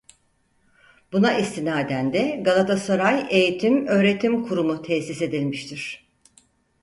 Buna istinaden de Galatasaray Eğitim Öğretim Kurumu tesis edilmiştir.